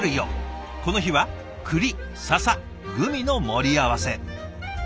この日はクリササグミの盛り合わせ。